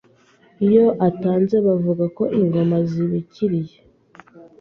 Iyo atanze bavuga ko Ingoma Zibikiriye;